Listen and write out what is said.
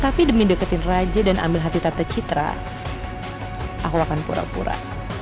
tapi demi deketin raja dan ambil hati tata citra aku akan pura pura